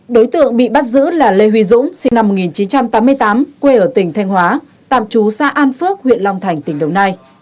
đối tượng bị bắt giữ là lê huy dũng sinh năm một nghìn chín trăm tám mươi tám quê ở tỉnh thanh hóa tạm trú xã an phước huyện long thành tỉnh đồng nai